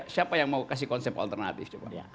siapa yang mau kasih konsep alternatif